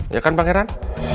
ya kan pangeran